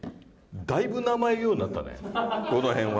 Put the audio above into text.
だいぶ名前言うようになったね、このへんは。